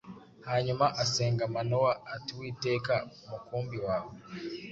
Hanyuma asenga Manowa ati: "Uwiteka, umukumbi wawe